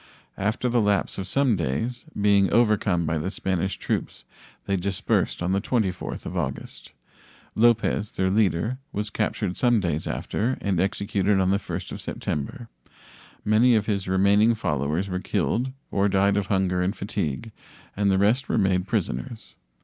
After the lapse of some days, being overcome by the Spanish troops, they dispersed on the 24th of August. Lopez, their leader, was captured some days after, and executed on the 1st of September. Many of his remaining followers were killed or died of hunger and fatigue, and the rest were made prisoners.